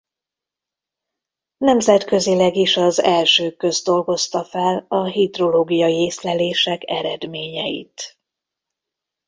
Nemzetközileg is az elsők közt dolgozta fel a hidrológiai észlelések eredményeit.